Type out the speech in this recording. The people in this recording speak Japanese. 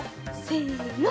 せの。